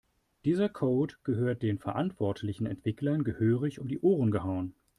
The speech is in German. Dieser Code gehört den verantwortlichen Entwicklern gehörig um die Ohren gehauen.